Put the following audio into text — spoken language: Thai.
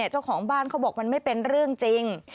เจ้าของบ้านเขาบอกมันไม่เป็นเรื่องจริง